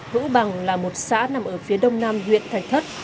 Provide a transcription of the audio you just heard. hữu bằng là một xã nằm ở phía đông nam huyện thạch thất